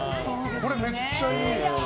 これめっちゃいい。